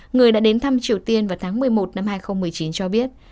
người đã đến thăm triều tiên vào tháng một mươi một năm hai nghìn một mươi chín cho biết